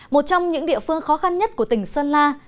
một trong những địa phương khó khăn nhất của tỉnh sơn la